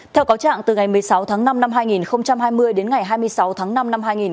theo cáo trạng từ ngày một mươi sáu tháng năm năm hai nghìn hai mươi đến ngày hai mươi sáu tháng năm năm hai nghìn hai mươi